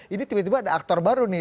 ini tiba tiba ada aktor baru nih